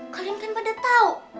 kalian kan pada tau